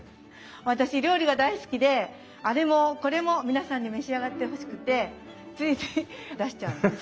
私料理が大好きであれもこれも皆さんに召し上がってほしくてついつい出しちゃうんです。